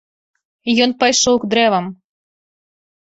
Ён пайшоў к дрэвам.